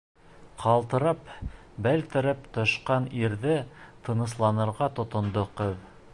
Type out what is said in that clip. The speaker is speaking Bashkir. Ҡалтырап, бәлтерәп төшкән ирҙе тынысланырға тотондо ҡыҙ.